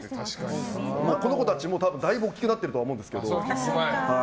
この子たちもだいぶ大きくなってくるとは思うんですけど。